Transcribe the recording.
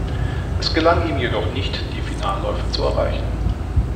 Es gelang ihm jedoch nicht die Finalläufe zu erreichen.